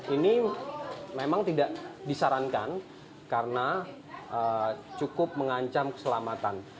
ini memang tidak disarankan karena cukup mengancam keselamatan